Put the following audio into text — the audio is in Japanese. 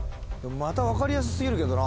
また分かりやすすぎるけどな。